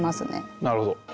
なるほど。